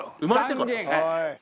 はい。